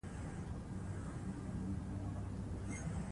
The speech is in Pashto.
امین یا رب العالمین.